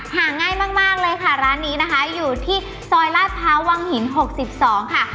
หาง่ายมากเลยค่ะร้านนี้นะคะอยู่ที่ซอยลาดพร้าววังหิน๖๒ค่ะ